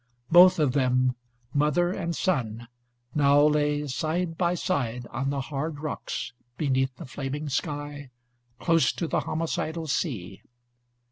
Both of them, mother and son, now lay side by side, on the hard rocks, beneath the flaming sky, close to the homicidal sea.